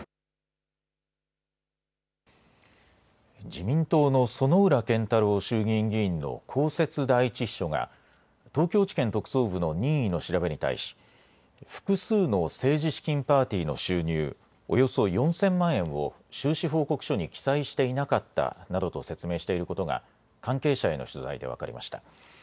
自民党の薗浦健太郎衆議院議員の公設第１秘書が東京地検特捜部の任意の調べに対し複数の政治資金パーティーの収入およそ４０００万円を収支報告書に記載していなかったなどと説明していることが関係者への取材で分かりました。